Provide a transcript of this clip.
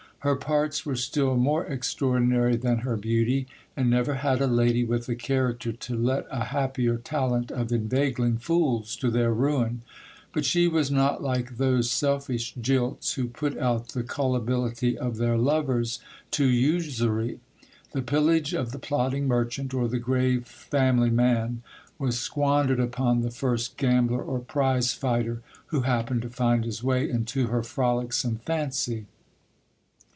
Her parts were still more extraordinary than her beauty ; and never had a lady with a character to let a happier talent of inveigling fools to their ruin. But she was not like those selfish jilts, who put out the cullibility of their lovers to usury. The pillage of the plodding merchant, or the grave family man, was squandered upon the first gambler or prize fighter who happened to find his way into her frolicsome fancy.